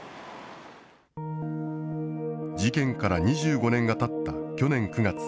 事件から２５年がたった去年９月。